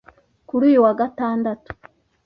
Kuri uyu wa Gatandatu